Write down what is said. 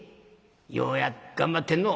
よう頑張ってんのう。